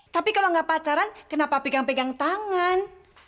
tapi kalau nggak pacaran kenapa pegang pegang tangan